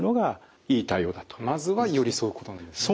まずは寄り添うことなんですね。